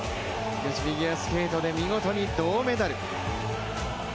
女子フィギュアスケートで見事に銅メダル。